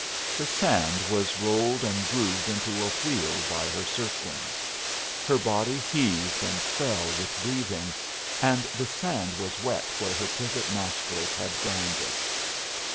The sand was rolled and grooved into a wheel by her circlings; her body heaved and fell with breathing, and the sand was wet where her pivot nostrils had ground it.